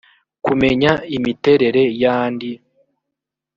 kumenya imiterere y’andi